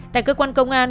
tại cơ quan công an